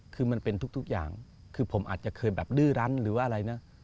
คือมันเป็นทุกอย่างคือผมอาจจะเคยแบบดื้อรั้นหรือว่าอะไรนะ